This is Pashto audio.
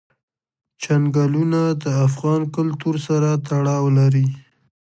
چنګلونه د افغان کلتور سره تړاو لري.